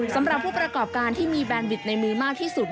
สำหรับผู้ประกอบการที่มีแบรนบิตในมือมากที่สุด